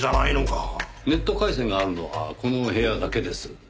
ネット回線があるのはこの部屋だけです。